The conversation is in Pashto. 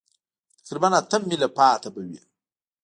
تقریباً اته مېله پاتې به وي.